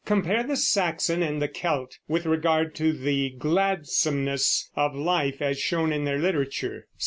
Compare the Saxon and the Celt with regard to the gladsomeness of life as shown in their literature.